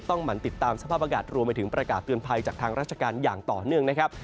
หมั่นติดตามสภาพอากาศรวมไปถึงประกาศเตือนภัยจากทางราชการอย่างต่อเนื่องนะครับ